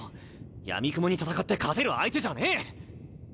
やみくもに戦って勝てる相手じゃねえ！